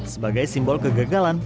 sebagai simbol kegagalan